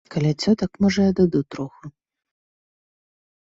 Каля цётак, можа, і адыду троху.